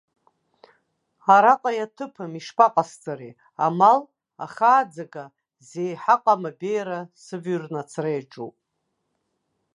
Араҟа иаҭыԥым, ишԥаҟасҵари, амал, ахааӡага, зеиҳаҟам абеиара сывҩрны ацара иаҿуп.